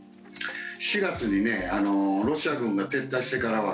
４月にねロシア軍が撤退してからは